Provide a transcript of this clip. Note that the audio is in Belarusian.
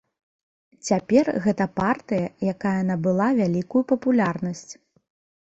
Цяпер гэта партыя, якая набыла вялікую папулярнасць.